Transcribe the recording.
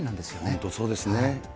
本当そうですね。